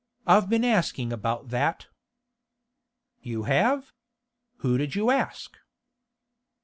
'I've been asking about that.' 'You have? Who did you ask?